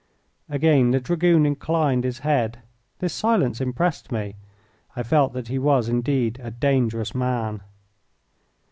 Again the Dragoon inclined his head. This silence impressed me. I felt that he was indeed a dangerous man.